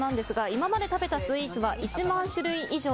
今まで食べたスイーツは１万種類以上。